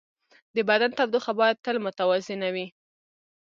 د بدن تودوخه باید تل متوازنه وي.